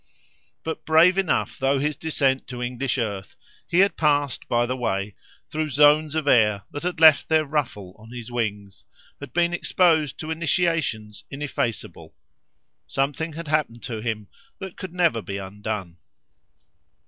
But brave enough though his descent to English earth, he had passed, by the way, through zones of air that had left their ruffle on his wings he had been exposed to initiations indelible. Something had happened to him that could never be undone.